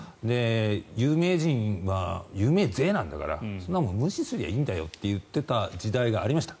有名人は有名税なんだからそんなもの無視すりゃいいんだよと言っていた時代がありました。